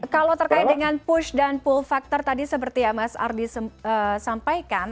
kalau terkait dengan push dan pull factor tadi seperti yang mas ardi sampaikan